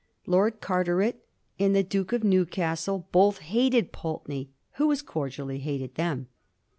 Lord Carteret and the Duke of Newcastle both hated Pulteney, who as cordially hated them.